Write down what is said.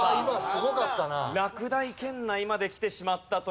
落第圏内まで来てしまったという状況。